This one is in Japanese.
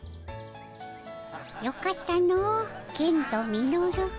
よかったのケンとミノル。